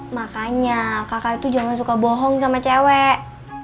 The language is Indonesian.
makanya kakak itu jangan suka bohong sama cewek